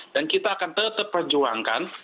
dan kita akan tetap perjuangkan